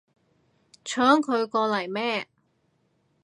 搶佢過嚟咩